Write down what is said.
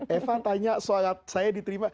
eva tanya sholat saya diterima